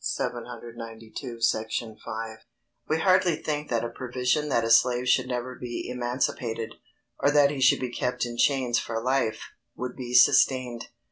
792, § 5.] We hardly think that a provision that a slave should never be emancipated, or that he should be kept in chains for life, would be sustained.